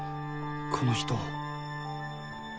この人を。